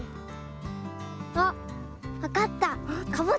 あっわかった！